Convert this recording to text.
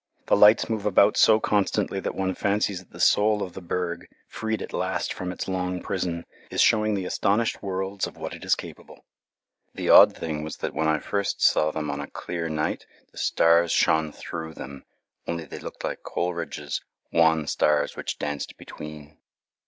The lights move about so constantly that one fancies that the soul of the berg, freed at last from its long prison, is showing the astonished worlds of what it is capable. The odd thing was that when I first saw them on a clear night, the stars shone through them, only they looked like Coleridge's "wan stars which danced between."